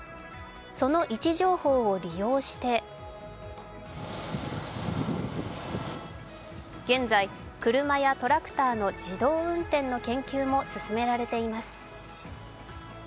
その位置情報を利用して現在、車やトラクターの自動運転の研究も進められています。